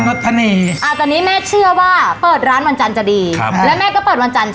โอ้ยเดี๋ยวเราไว้เศษก่อน